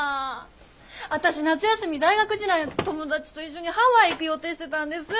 私夏休み大学時代の友達と一緒にハワイ行く予定してたんです！